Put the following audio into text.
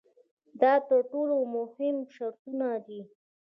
دا تر ټولو مهم شرطونه دي.